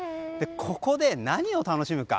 ここで何を楽しむか？